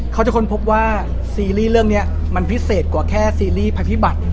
เขาจะค้นพบว่าซีรีส์เรื่องนี้มันพิเศษกว่าแค่ซีรีส์ภัยพิบัติ